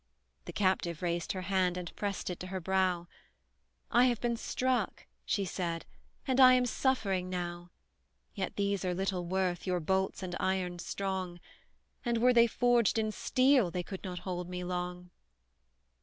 The captive raised her hand and pressed it to her brow; "I have been struck," she said, "and I am suffering now; Yet these are little worth, your bolts and irons strong; And, were they forged in steel, they could not hold me long."